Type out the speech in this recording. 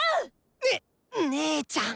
ねっ姉ちゃん！